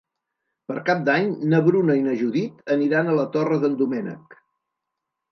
Per Cap d'Any na Bruna i na Judit aniran a la Torre d'en Doménec.